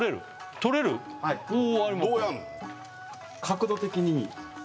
はいどうやるの？